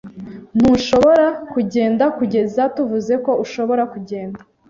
Ntushobora kugenda kugeza tuvuze ko ushobora kugenda.